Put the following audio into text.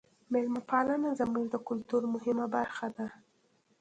میلمه پالنه زموږ د کلتور مهمه برخه ده.